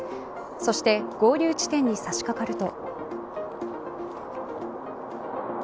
そして合流地点に差し掛かると。